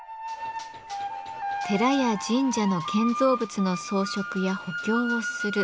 寺や神社の建造物の装飾や補強をする錺金具。